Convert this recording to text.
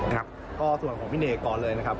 ครับก็ส่วนของพี่เนกก่อนเลยนะครับ